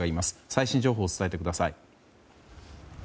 最新情報を伝えてください。